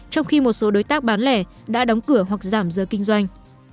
trong khi một số đối tác bán lẻ đã đóng cửa hoặc giảm giờ kinh doanh